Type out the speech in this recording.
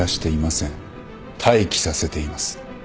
待機させています。